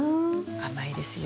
甘いですよ。